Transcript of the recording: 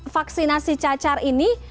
vaksinasi cacar ini